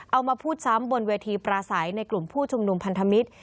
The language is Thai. เอามาพูดซ้ำบนเวทีปราศัยในกลุ่มผู้ชุมนุมพันธมิตร